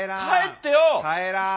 帰らん。